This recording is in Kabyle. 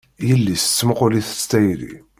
Yelli-s tettmuqul-it s tayri.